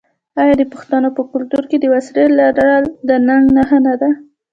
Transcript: آیا د پښتنو په کلتور کې د وسلې لرل د ننګ نښه نه ده؟